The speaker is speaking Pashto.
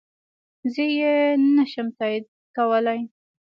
زه يي نشم تاييد کولی